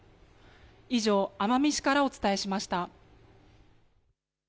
以上、奄美市からお伝えしました。